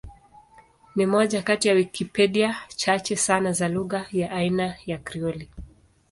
Ni moja kati ya Wikipedia chache sana za lugha ya aina ya Krioli.